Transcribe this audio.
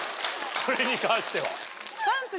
それに関しては。